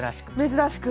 珍しく。